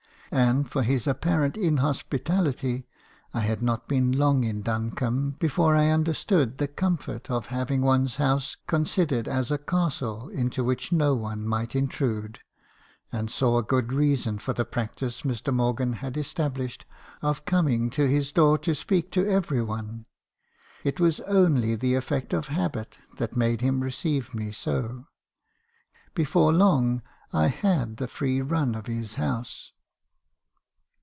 And as for his apparent inhospitality, I had not been long in Duncombe before I understood the comfort of having one's house considered as a castle into which no one might in trude , and saw good reason for the practice Mr. Morgan had established of coming to his door to speak to every one. It was only the effect of habit that made him receive me so. Before long, I had the free run of his house.